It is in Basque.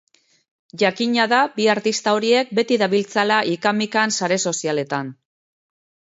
Jakina da bi artista horiek beti dabiltzala ika-mikan sare sozialetan.